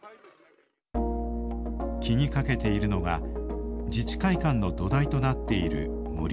気にかけているのは自治会館の土台となっている盛土。